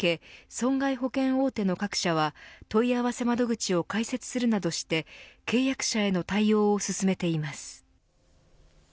損害保険大手の各社は問い合わせ窓口を開設するなどして契約者への対応を進めています。